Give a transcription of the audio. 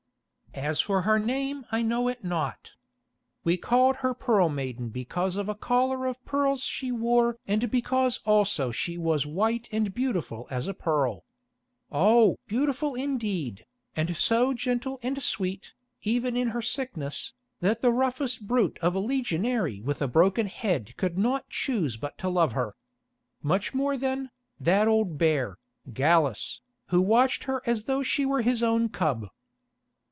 "As for her name I know it not. We called her Pearl Maiden because of a collar of pearls she wore and because also she was white and beautiful as a pearl. Oh! beautiful indeed, and so gentle and sweet, even in her sickness, that the roughest brute of a legionary with a broken head could not choose but to love her. Much more then, that old bear, Gallus, who watched her as though she were his own cub."